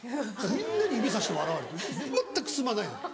みんなに指さして笑われた全く進まない。